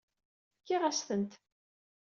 Fkiɣ-as-tent.